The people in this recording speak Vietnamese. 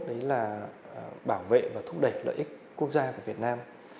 đấy là bảo vệ và thúc đẩy lợi ích quốc gia của việt nam